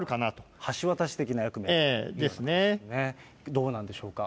どうなんでしょうか。